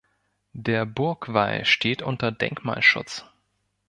Der Burgwall steht unter Denkmalschutz.